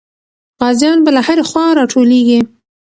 غازیان به له هرې خوا راټولېږي.